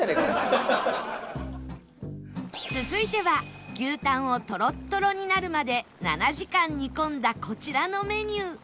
続いては牛タンをトロットロになるまで７時間煮込んだこちらのメニュー